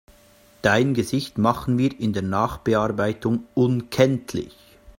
Dein Gesicht machen wir in der Nachbearbeitung unkenntlich.